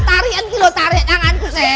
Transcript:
tarian kilo tarian tanganku si